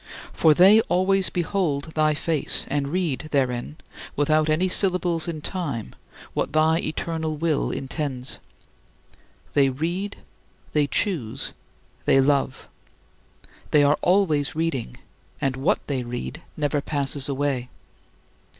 For they always behold thy face and read therein, without any syllables in time, what thy eternal will intends. They read, they choose, they love. They are always reading, and what they read never passes away.